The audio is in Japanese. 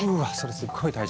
すっごい大事！